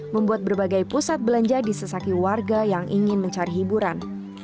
membuat berbagai pusat belanja disesaki warga yang ingin mencari hiburan